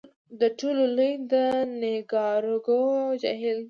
د ټولو لوی یې د نیکاراګو جهیل دی.